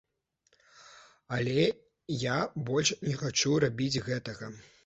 Але я больш не хачу рабіць гэтага.